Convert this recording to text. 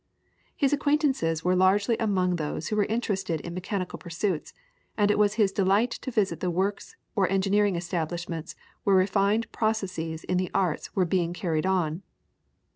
His acquaintances were largely among those who were interested in mechanical pursuits, and it was his delight to visit the works or engineering establishments where refined processes in the arts were being carried on.